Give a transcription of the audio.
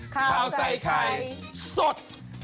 ข่าวใส่ไข่สด